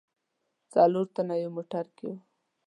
څلور تنه یو موټر کې و.